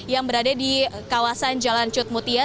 yang berada di kawasan jalan cutmutia